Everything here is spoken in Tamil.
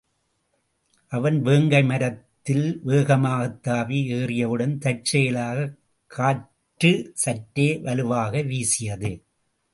அவன் வேங்கை மரத்தில் வேகமாகத் தாவி ஏறியவுடன் தற்செயலாகக் காற்று சற்றே வலுவாக வீசியது.